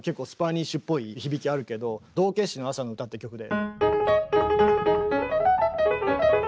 「道化師の朝の歌」って曲で。